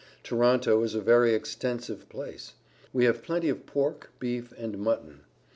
Toronto is a very extensive place. We have plenty of pork, beef and mutton.